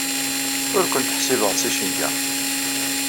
Ur kent-ḥsibeɣ d ticenga.